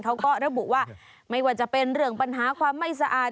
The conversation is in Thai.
เขาก็ระบุว่าไม่ว่าจะเป็นเรื่องปัญหาความไม่สะอาด